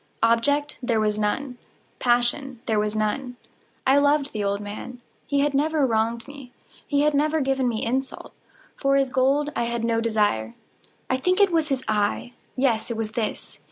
Object there was none. Passion there was none. I loved the old man. He had never wronged me. He had never given me insult. For his gold I had no desire. I think it was his eye! yes, it was this!